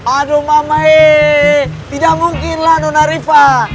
aduh mama ee tidak mungkin lah dona rifa